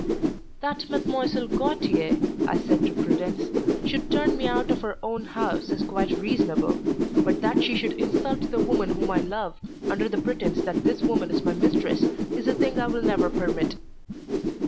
"That Mlle. Gautier," I said to Prudence, "should turn me out of her own house is quite reasonable, but that she should insult the woman whom I love, under the pretence that this woman is my mistress, is a thing I will never permit."